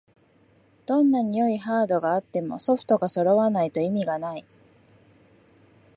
どんなに良いハードがあってもソフトがそろわないと意味がない